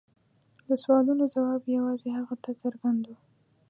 د سوالونو ځواب یوازې هغه ته څرګند و.